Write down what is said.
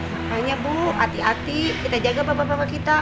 makanya bu hati hati kita jaga bapak bapak kita